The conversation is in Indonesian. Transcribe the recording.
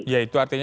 ya itu artinya